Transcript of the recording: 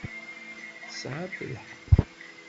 Tesɛamt lḥeqq.